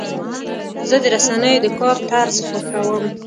زه د رسنیو د کار طرز خوښوم.